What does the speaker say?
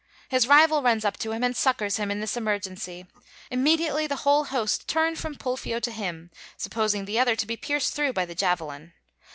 His rival runs up to him and succors him in this emergency. Immediately the whole host turn from Pulfio to him, supposing the other to be pierced through by the javelin.